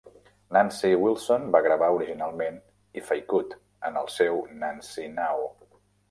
Nancy Wilson va gravar originalment "If I Could" en el seu "Nancy Now!".